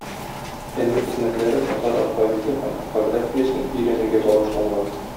Фәнни хезмәтләре татар алфавиты һәм орфографиясен өйрәнүгә багышланган.